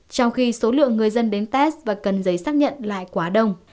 trong khi số lượng người dân đến test và cần giấy xác nhận lại quá đông